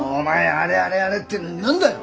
「あれあれあれ」って何だよ！